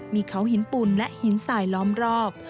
มีเขาหินปุ่นและหินสายล้อมรอบ